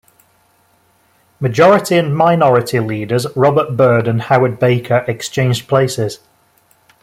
Majority and minority leaders Robert Byrd and Howard Baker exchanged places.